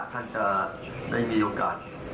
ท่านจะได้มีโอกาส